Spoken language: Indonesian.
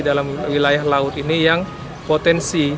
dalam wilayah laut ini yang potensi